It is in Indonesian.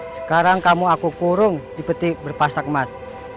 sekarang kamu aku kurung di peti berpasak emas